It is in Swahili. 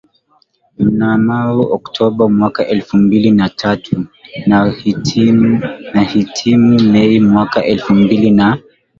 mnamo Oktoba mwaka elfu mbili na tatu na kuhitimu Mei mwaka elfu mbili na